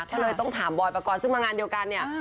ก็เลยต้องถามบอยปกรณ์ซึ่งมางานเดียวกันเนี่ย